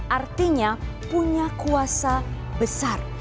artinya punya kuasa besar